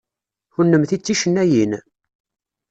Kennemti d ticennayin?